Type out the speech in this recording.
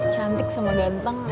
cantik sama ganteng